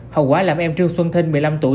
hậu quả làm em trương xuân thinh một mươi năm tuổi